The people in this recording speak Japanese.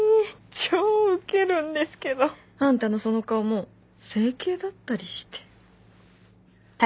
超ウケるんですけど。あんたのその顔も整形だったりして。